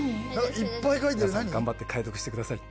皆さん頑張って解読してください。